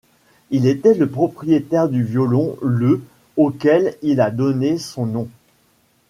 Il était le propriétaire du violon le auquel il a donné son nom.